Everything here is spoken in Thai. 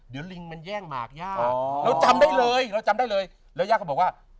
เดี๋ยวลิงมันแย่งหมากย่าเราจำได้เลยเราจำได้เลยแล้วย่าก็บอกว่า